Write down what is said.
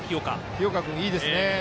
日岡君いいですね。